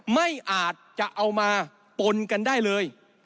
ไม่อาจจะเอามาปนกันได้เลย